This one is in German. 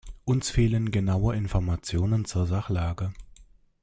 Uns fehlen genaue Informationen zur Sachlage.